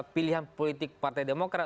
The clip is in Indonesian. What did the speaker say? pilihan politik partai demokrat